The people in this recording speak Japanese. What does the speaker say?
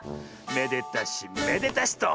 めでたしめでたし」と。